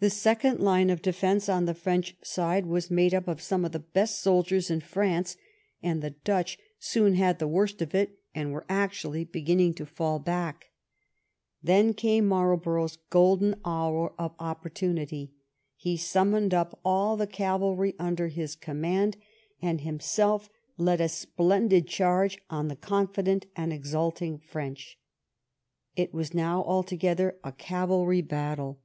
The second line of defence on the French side was made up of some of the best soldiers in France, and the Dutch soon had the worst of it, and were actually beginning to fall back. Then came Marlborough's golden hour of opportu 247 THE RKIGN OF QUEEN ANNE nity. He summoned up all the cavalry under his command, and himself led a splendid charge on the confident and exulting French. It was now altogether a cavalry battle.